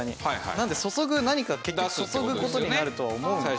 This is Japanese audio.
なので注ぐ何か結局注ぐ事になるとは思うんですけど。